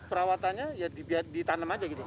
bambu jakarta nya ya ditanam saja gitu